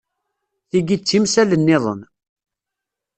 Tigi d timsal-nniḍen.